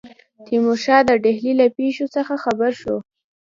تیمورشاه د ډهلي له پیښو څخه خبر شو.